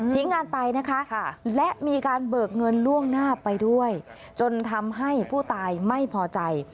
งานไปนะคะและมีการเบิกเงินล่วงหน้าไปด้วยจนทำให้ผู้ตายไม่พอใจ